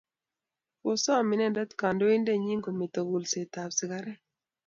Kosom inendet kanyaindennyi kometo kulset ap sigaret.